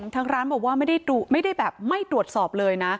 ทางร้านบอกว่าไม่ได้แบบไม่ตรวจสอบเลยนะ